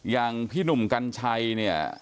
อย่างพี่หนุ่มกัญชัยเนี่ย